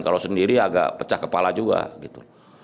kalau sendiri agak pecah kepala juga gitu